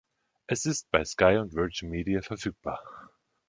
Es ist bei Sky und Virgin Media verfügbar.